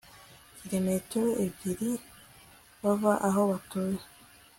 kilometero ebyiri km bava aho batuye